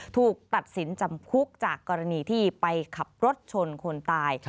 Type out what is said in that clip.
ถูกตัดสินจำคุกจากกรณีที่ไปขับรถชนคนตาย